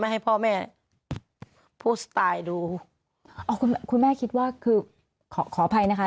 ให้พ่อแม่ผู้สไตล์ดูอ๋อคุณแม่คิดว่าคือขอขออภัยนะคะ